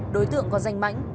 đối tượng có danh mảnh